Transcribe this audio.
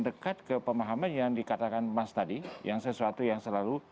dekat ke pemahaman yang dikatakan mas tadi yang sesuatu yang selalu